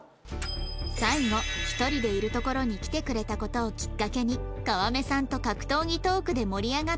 最後１人でいるところに来てくれた事をきっかけに川目さんと格闘技トークで盛り上がった竹内さん